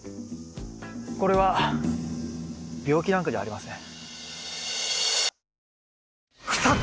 これは病気なんかじゃありません。